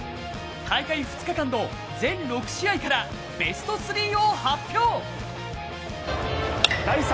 大会２日間の全６試合からベスト３を発表。